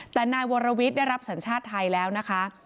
แต่นายวรวิทย์ได้รับสัญชาติไทยแล้วนะคะ